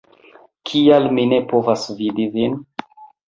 Kial mi ne povas vidi vin?